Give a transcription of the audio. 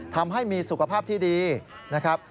ทำให้มีสุขภาพที่ดีนะครับ